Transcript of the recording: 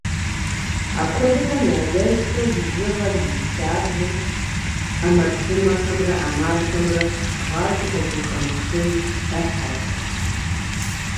Апхуэдэхэм я дежкӀэ бжыгъэр зи лъабжьэ Ӏэмэпсымэхэмрэ Ӏэмалхэмрэ гъащӀэм къыпхухэмыхын Ӏыхьэщ.